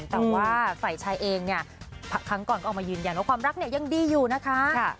แต่ว่าฝ่ายชายเองเนี่ยครั้งก่อนก็ออกมายืนยันว่าความรักเนี่ยยังดีอยู่นะคะ